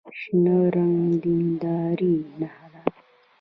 شنه رنګ د دیندارۍ نښه ده.